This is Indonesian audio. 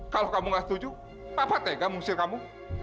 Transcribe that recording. kalau kamu gak setuju apa tega mengusir kamu